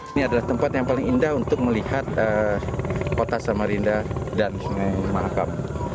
ini adalah tempat yang paling indah untuk melihat kota samarinda dan sungai mahakam